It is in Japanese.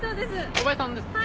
小林さんですか？